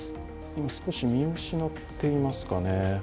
今、少し見失ってますかね。